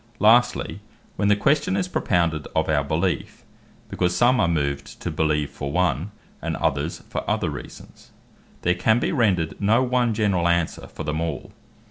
Lastly, when the question is propounded of our Beleefe; because some are moved to beleeve for one, and others for other reasons, there can be rendred no one generall answer for them all.